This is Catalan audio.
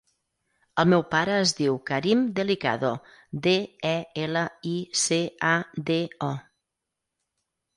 El meu pare es diu Karim Delicado: de, e, ela, i, ce, a, de, o.